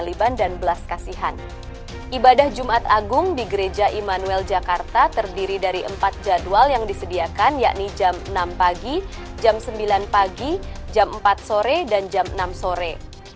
ibadah jumat agung di gereja immanuel jakarta terdiri dari empat jadwal yang disediakan yakni jam enam pagi jam sembilan pagi jam empat sore dan jam enam sore